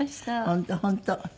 本当本当。